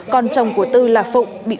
con chồng của tư lại bị bắt